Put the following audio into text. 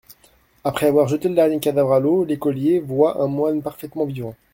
Après avoir jeté le dernier cadavre à l'eau, l'écolier voit un moine parfaitement vivant.